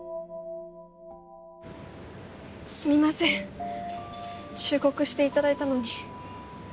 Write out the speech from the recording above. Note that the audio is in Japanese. すみません忠告していただいたのに。